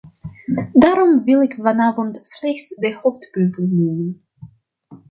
Daarom wil ik vanavond slechts de hoofdpunten noemen.